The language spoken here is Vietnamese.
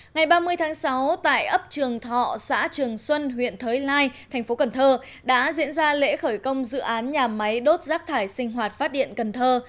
ngày ba mươi tháng sáu tại ấp trường thọ xã trường xuân huyện thới lai thành phố cần thơ đã diễn ra lễ khởi công dự án nhà máy đốt rác thải sinh hoạt phát điện cần thơ